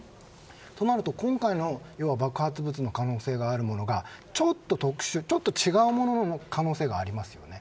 となると、今回の爆発物の可能性があるものがちょっと特殊、ちょっと違う物の可能性がありますよね。